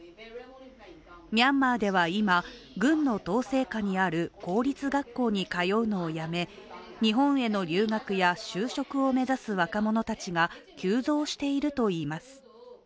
ミャンマーでは今、軍の統制下にある公立学校に通うのをやめ日本への留学や就職を目指す若者たちが急増しているといいます。